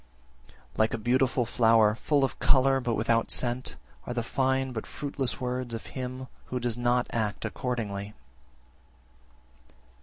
51. Like a beautiful flower, full of colour, but without scent, are the fine but fruitless words of him who does not act accordingly.